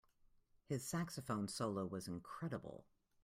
His saxophone solo was incredible.